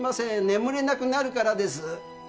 眠れなくなるからです。